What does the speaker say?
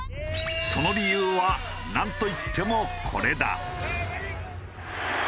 その理由はなんといってもこれだ。